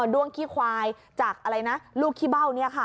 ด้วงขี้ควายจากลูกขี้เบ้านี้ค่ะ